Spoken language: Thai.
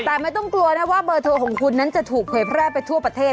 แต่ไม่ต้องกลัวนะว่าเบอร์โทรของคุณนั้นจะถูกเผยแพร่ไปทั่วประเทศ